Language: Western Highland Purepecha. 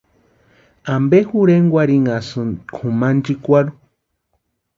¿Ampe jorhenkwarhinhasïni kʼumanchikwarhu?